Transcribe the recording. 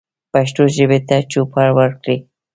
پښتو ژبې ته چوپړ وکړئ